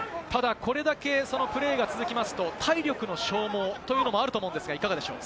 これだけプレーが続きますと、体力の消耗というのもあると思うんですが、いかがでしょう？